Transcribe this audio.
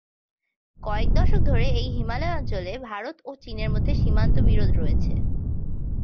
কয়েক দশক ধরে এই হিমালয় অঞ্চলে ভারত ও চীনের মধ্যে সীমান্ত বিরোধ রয়েছে।